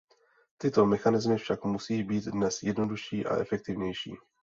Tyto mechanismy však musí být dnes jednodušší a efektivnější.